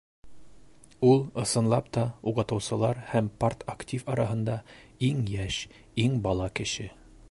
Ул, ысынлап та, уҡытыусылар һәм партактив араһында иң йәш, иң бала кеше.